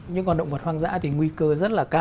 những con động vật hoang dã thì nguy cơ rất là cao